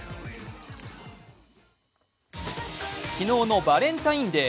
昨日のバレンタインデー。